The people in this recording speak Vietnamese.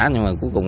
nhưng mà cuối cùng